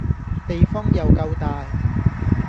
地方又夠大